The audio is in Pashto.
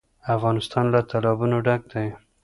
افغانستان له تالابونه ډک دی.